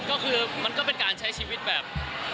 ก็คือมันก็เป็นการใช้ชีวิตแบบ